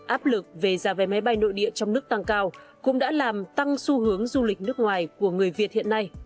áp lực về giá vé máy bay nội địa trong nước tăng cao cũng đã làm tăng xu hướng du lịch nước ngoài của người việt hiện nay